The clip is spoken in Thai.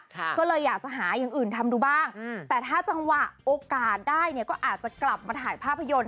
ก็เลยอยากจะหาอย่างอื่นทำดูบ้างแต่ถ้าจังหวะโอกาสได้เนี่ยก็อาจจะกลับมาถ่ายภาพยนตร์